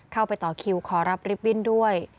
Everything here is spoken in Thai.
ไปต่อคิวขอรับลิฟตบิ้นด้วย